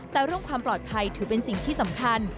แต่เรื่องความปลอดภัยถือเป็นสิ่งที่สำคัญ